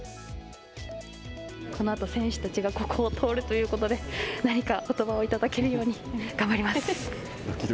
このあと選手たちがここを通るということで何か、ことばをいただけるように頑張ります。